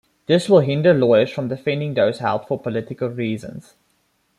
This will hinder lawyers from defending those held for political reasons.